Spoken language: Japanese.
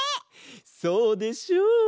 そうでしょう？